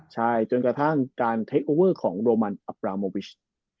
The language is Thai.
ใช่จนกระทั่งการเทคโอเวอร์ของโรมันอับราโมวิช